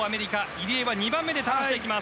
入江は２番目でターンしていきます。